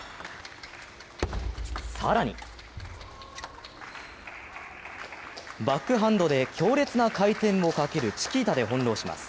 更にバックハンドで強烈な回転をかけるチキータで翻弄します。